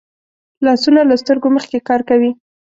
لاسونه له سترګو مخکې کار کوي